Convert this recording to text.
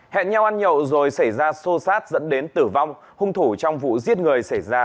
hẹn nhau ăn nhậu rồi xảy ra xô xát dẫn đến tử vong hung thủ trong vụ giết người xảy ra